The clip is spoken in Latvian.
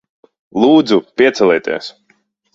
Lūdzu, piecelieties.